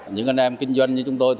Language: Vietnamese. những anh em kinh doanh như chúng tôi